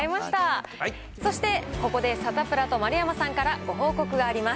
そしてここでサタプラと丸山さんからご報告があります。